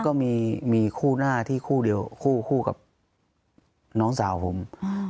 ก็มีคู่หน้าที่คู่เดียวคู่กับน้องสาวผม